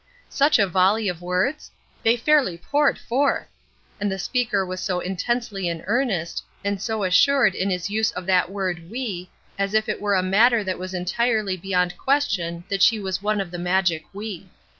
Such a volley of words? They fairly poured forth! And the speaker was so intensely in earnest, and so assured in his use of that word "we," as if it were a matter that was entirely beyond question that she was one of the magic "we."